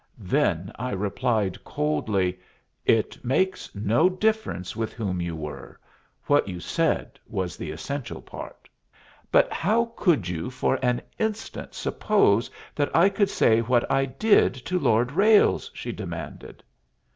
Then I replied coldly, "It makes no difference with whom you were. What you said was the essential part." "But how could you for an instant suppose that I could say what I did to Lord Ralles?" she demanded.